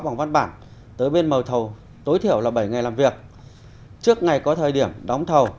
bằng văn bản tới bên mầu thầu tối thiểu là bảy ngày làm việc trước ngày có thời điểm đóng thầu